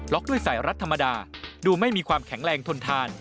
ด้วยสายรัดธรรมดาดูไม่มีความแข็งแรงทนทาน